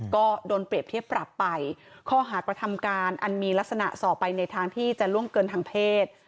ก็โดนเปรียบเทียบปรับไปข้อหากระทำการอันมีลักษณะส่อไปในทางที่จะล่วงเกินทางเพศ